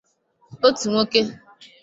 otu nwoke